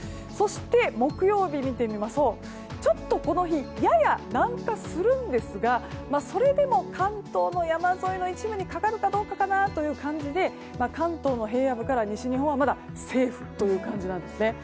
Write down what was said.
そして、木曜日はちょっとこの日やや南下するんですがそれでも関東の山沿いの一部にかかるかどうかかなという感じで関東の平野部から西日本はまだセーフという感じです。